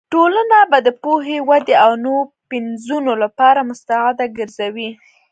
ټولنه به د پوهې، ودې او نوو پنځونو لپاره مستعده ګرځوې.